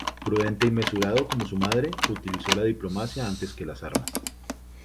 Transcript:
Prudente y mesurado como su madre, utilizó la diplomacia antes que las armas.